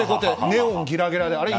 ネオンもギラギラで。